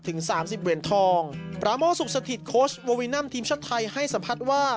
ถึงสามสิบเหรียญทองปราโมสุขสถิตโค้ชโววินัมทีมชาติไทยให้สัมภาษณ์ว่า